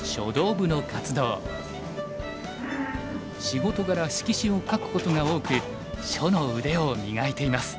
仕事柄色紙を書くことが多く書の腕を磨いています。